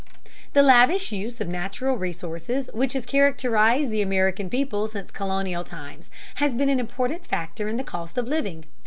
The lavish use of natural resources which has characterized the American people since colonial times has been an important factor in the cost of living.